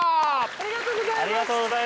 ありがとうございます。